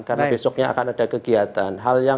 karena besoknya akan ada kegiatan